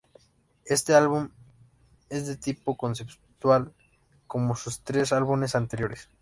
Este álbum no es de tipo conceptual como sus tres álbumes anteriores.